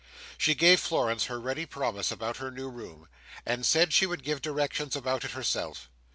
She gave Florence her ready promise, about her new room, and said she would give directions about it herself.